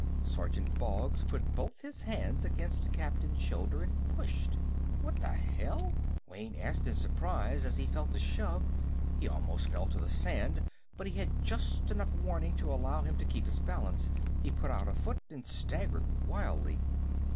Sergeant Boggs put both hands against the Captain's shoulder and pushed. "What the hell?" Wayne asked in surprise as he felt the shove. He almost fell to the sand, but he had had just enough warning to allow him to keep his balance. He put out a foot and staggered wildly.